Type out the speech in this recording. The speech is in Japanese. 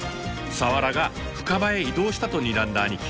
サワラが深場へ移動したとにらんだ兄貴。